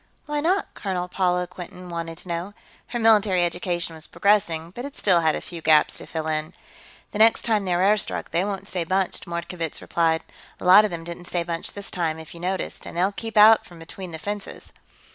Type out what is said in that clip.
"Why not?" Colonel Paula Quinton wanted to know. Her military education was progressing, but it still had a few gaps to fill in. "The next time they're air struck, they won't stay bunched," Mordkovitz replied. "A lot of them didn't stay bunched this time, if you noticed. And they'll keep out from between the fences."